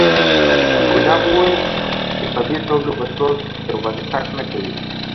ګلاب وويل چې په دې توګه به څوک درباندې شک نه کوي.